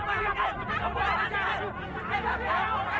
saya akan benang lakuin itu